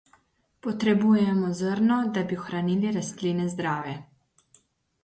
Potrebujemo zrno, da bi ohranili rastline zdrave.